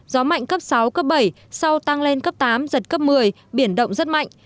gió mạnh cấp sáu cấp bảy sau tăng lên cấp tám giật cấp một mươi biển động rất mạnh